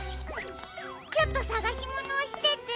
ちょっとさがしものをしてて・。